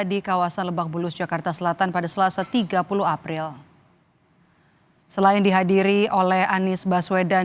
di kawasan lebak bulus jakarta selatan pada selasa tiga puluh april selain dihadiri oleh anies baswedan